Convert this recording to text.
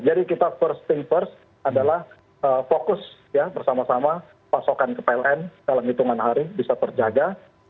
jadi kita first thing first adalah fokus ya bersama sama pasokan ke pln dalam hitungan hari bisa terjaga